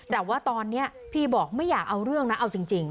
แต่ว่าตอนนี้พี่บอกไม่อยากเอาเรื่องนะเอาจริง